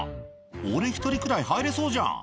俺一人くらい入れそうじゃん。